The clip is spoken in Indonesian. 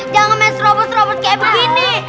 jangan main serobot serobot kayak begini